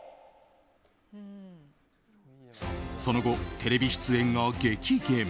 その後、テレビ出演が激減。